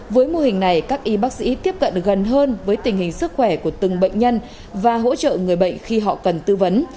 với mô hình này các y bác sĩ tiếp cận gần hơn với tình hình sức khỏe của từng bệnh nhân và hỗ trợ người bệnh khi họ cần tư vấn